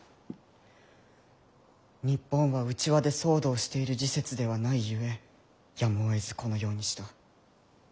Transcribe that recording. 「日本は内輪で騒動をしている時節ではないゆえやむをえずこのようにした。